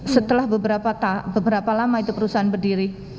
setelah beberapa lama itu perusahaan berdiri